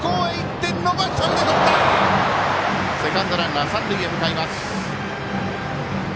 セカンドランナー三塁へ向かいました。